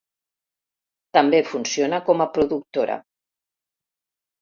També funciona com a productora.